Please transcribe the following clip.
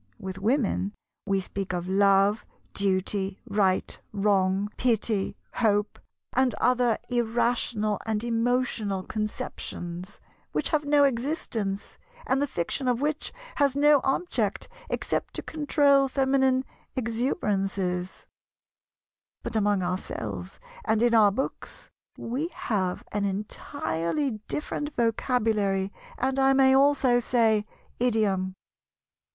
With Women, we speak of "love," "duty," "right," "wrong," "pity," "hope," and other irrational and emotional conceptions, which have no existence, and the fiction of which has no object except to control feminine exuberances; but among ourselves, and in our books, we have an entirely different vocabulary and I may also say, idiom.